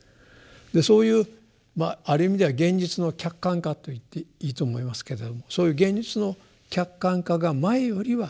そういうある意味では現実の客観化と言っていいと思いますけれどもそういう現実の客観化が前よりは進むと。